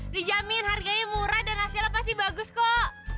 dijamin harganya murah dan hasilnya pasti bagus kok